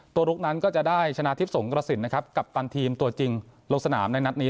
ลุกนั้นก็จะได้ชนะทิพย์สงกระสินนะครับกัปตันทีมตัวจริงลงสนามในนัดนี้